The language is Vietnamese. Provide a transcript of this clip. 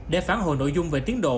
để phản hồi nội dung về tiến độ